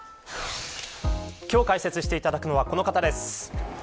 今日解説していただくのはこの方です。